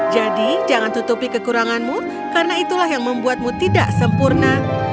jadi jangan tutupi kekuranganmu karena itulah yang membuatmu tidak sempurna